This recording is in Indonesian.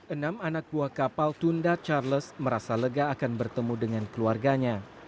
enam anak buah kapal tunda charles merasa lega akan bertemu dengan keluarganya